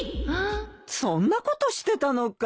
そんなことしてたのかい？